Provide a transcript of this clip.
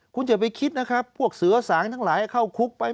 คุณอย่าไปคิดนะครับพวกเสือสางทั้งหลายเข้าคุกไป